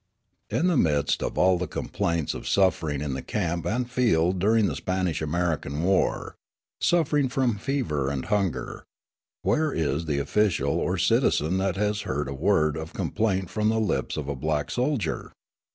In the midst of all the complaints of suffering in the camp and field during the Spanish American War, suffering from fever and hunger, where is the official or citizen that has heard a word of complaint from the lips of a black soldier?